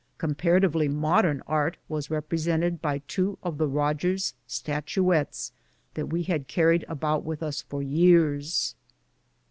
Comparatively modern art was represented by two of the Rogers statuettes that we had carried about with us for years.